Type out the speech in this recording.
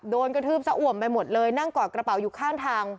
โดนกระทืบสะอ่วมไปหมดเลยนั่งกอดกระเป๋าอยู่ข้างทาง